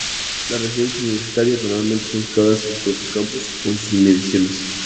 Las residencias universitarias normalmente están situadas en los propios campus o en sus inmediaciones.